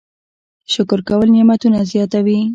شکر کول نعمتونه زیاتوي